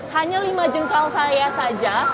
hanya lima jengkal saya saja